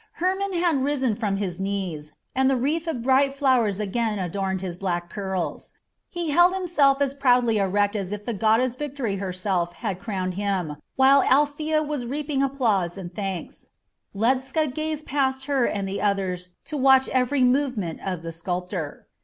Hermon had risen from his knees, and the wreath of bright flowers again adorned his black curls. He held himself as proudly erect as if the goddess of Victory herself had crowned him, while Althea was reaping applause and thanks. Ledscha gazed past her and the others to watch every movement of the sculptor.